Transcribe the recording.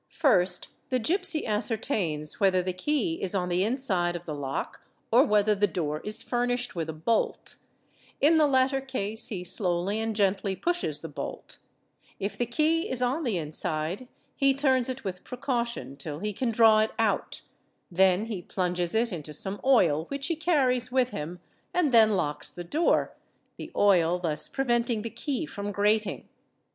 First the /|| Hy ! Hy Ha \| Ih) |\\ gipsy ascertains whether the key is on the in — side of the lock or whether the door is furnished with a bolt; in the latter case he slowly and gently pushes the bolt; if the key is on the : inside he turns it with precaution till he can draw it out, then he plunges it into some oil which he carries with him and then locks th door, the oil thus preventing the key fron grating.